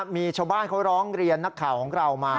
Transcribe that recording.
มีชาวบ้านเขาร้องเรียนนักข่าวของเรามา